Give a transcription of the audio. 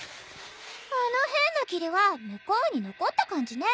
あの変な霧は向こうに残った感じね。